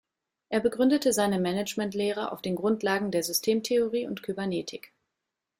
Er begründete seine Managementlehre auf den Grundlagen der Systemtheorie und Kybernetik.